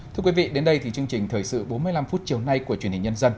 thưa quý vị đến đây thì chương trình thời sự bốn mươi năm phút chiều nay của truyền hình nhân dân